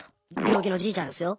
病気のじいちゃんですよ。